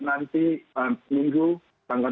nanti minggu tanggal dua puluh satu mei